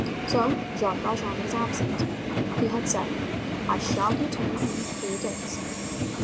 So Jean Valjean was absent. He had said: "I shall return in three days."